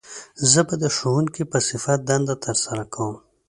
زه به د ښوونکي په صفت دنده تر سره کووم